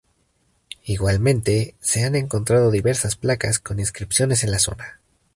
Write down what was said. Igualmente, se han encontrado diversas placas con inscripciones en la zona.